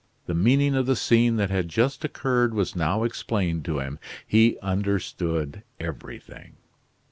The meaning of the scene that had just occurred was now explained to him. He understood everything.